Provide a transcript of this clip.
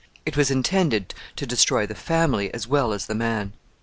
It was intended to destroy the family as well as the man.